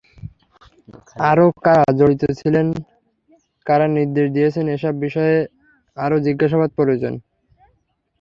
আরও কারা জড়িত ছিলেন, কারা নির্দেশ দিয়েছেন—এসব বিষয়ে আরও জিজ্ঞাসাবাদ প্রয়োজন।